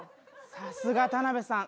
さすが田辺さん。